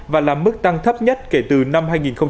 và là mức tăng thấp nhất kể từ năm hai nghìn một mươi